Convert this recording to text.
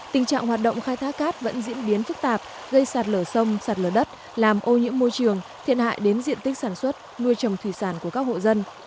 tình trạng hoạt động khai thác cát vẫn diễn biến phức tạp gây sạt lở sông sạt lở đất làm ô nhiễm môi trường thiệt hại đến diện tích sản xuất nuôi trồng thủy sản của các hộ dân